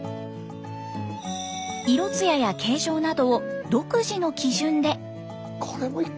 色つやや形状などを独自の基準で。